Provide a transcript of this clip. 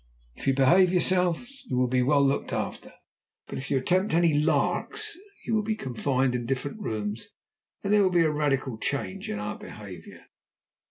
If you behave yourselves you will be well looked after; but if you attempt any larks you will be confined in different rooms, and there will be a radical change in our behaviour."